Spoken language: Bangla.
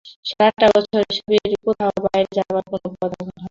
সারাটা ছবির ভেতরে কোথাও বাইরে যাবার কোনো পথ আঁকা হয়নি।